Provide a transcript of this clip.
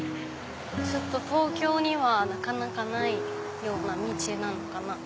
ちょっと東京にはなかなかないような道なのかな。